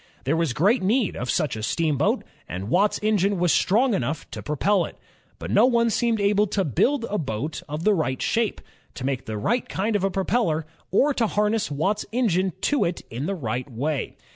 There was great need of such a steamboat, and Watt's engine was strong enough to propel it. But no one seemed able to build a boat of the right shape, to make the right kind of a propeller, or to harness Watt's engine to it in the right way.